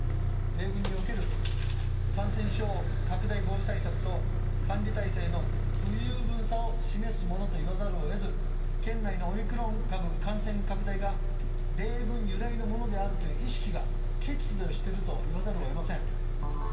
米軍における感染症拡大防止対策と管理態勢の不十分さを示すものといわざるをえず、県内のオミクロン株感染拡大が、米軍由来のものであるという意識が欠如しているといわざるをえま